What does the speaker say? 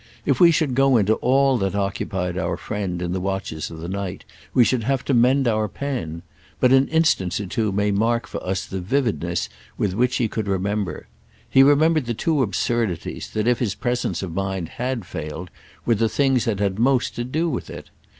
If we should go into all that occupied our friend in the watches of the night we should have to mend our pen; but an instance or two may mark for us the vividness with which he could remember. He remembered the two absurdities that, if his presence of mind had failed, were the things that had had most to do with it.